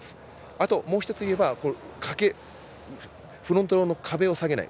あと、もう一つ言えばフロントローの壁を下げない。